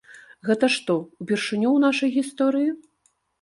Гэта што, упершыню ў нашай гісторыі?!